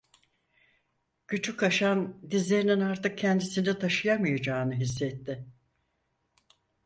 Küçük Haşan dizlerinin artık kendisini taşıyamayacağını hissetti.